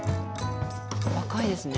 若いですね。